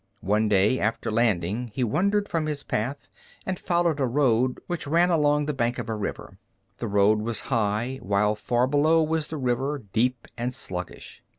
One day after landing he wandered from his path and followed a road which ran along the bank of a river. The road was high, while far below was the river deep and sluggish.